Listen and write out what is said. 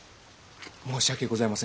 申し訳ございませぬ。